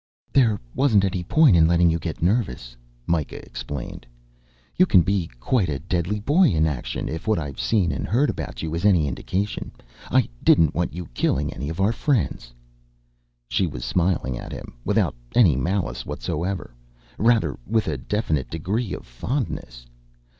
"There wasn't any point in letting you get nervous," Myka explained. "You can be quite a deadly boy in action, if what I've seen and heard about you is any indication. I didn't want you killing any of our friends." She was smiling at him without any malice whatsoever; rather, with a definite degree of fondness.